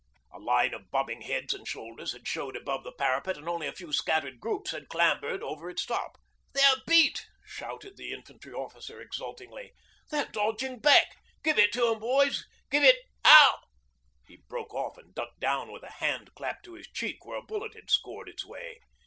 A line of bobbing heads and shoulders had showed above their parapet and only a few scattered groups had clambered over its top. 'They're beat,' shouted the infantry officer, exultingly. 'They're dodging back. Give it to 'em, boys give it ow!' He broke off and ducked down with a hand clapped to his cheek where a bullet had scored its way.